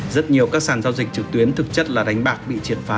rất nhiều các sàn giao dịch trực tuyến thực chất là đánh bạc bị triệt phá